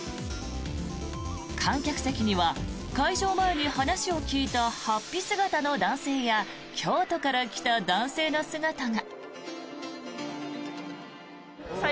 観客席には開場前に話を聞いた法被姿の男性や京都から来た男性の姿が。